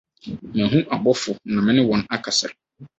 Mahu abɔfo na me ne wɔn akasa.